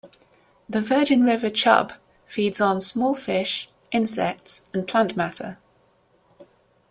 The Virgin River chub feeds on small fish, insects, and plant matter.